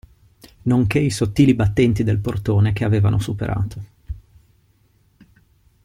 Nonché i sottili battenti del portone che avevano superato.